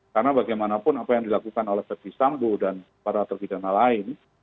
karena bagaimanapun apa yang dilakukan oleh verdi sambo dan para terpidana lain